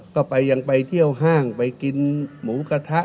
ก็ยังไปเที่ยวห้างไปกินหมูกระทะ